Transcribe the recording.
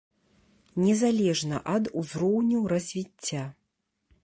Незалежна ад узроўню развіцця.